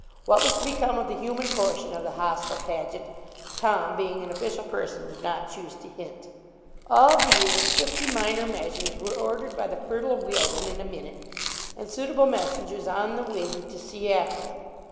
What was to become of the human portion of the hostile pageant, Tom, being an official person, did not choose to hint. All these, and fifty minor measures, were ordered by the fertile Wealdon in a minute, and suitable messengers on the wing to see after them.